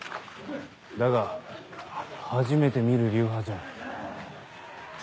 だが初めて見る流派じゃ。